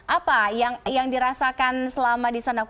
apa yang dirasakan selama di sana